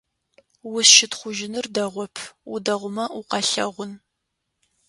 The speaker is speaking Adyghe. Узщытхъужьыныр дэгъоп, удэгъумэ укъалъэгъун.